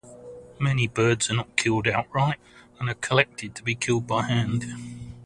Many birds are not killed outright and are collected to be killed by hand.